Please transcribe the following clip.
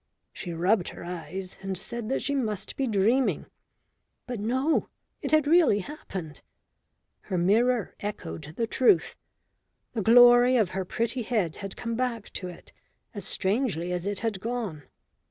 She rubbed her eyes and said that she must be dreaming. But no, it had really happened. Her mirror echoed the truth. The glory of her pretty head had come back to it as strangely as it had gone.